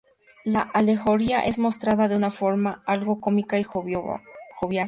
La alegoría es mostrada de una forma algo cómica y jovial.